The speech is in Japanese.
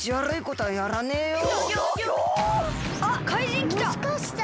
あっかいじんきた。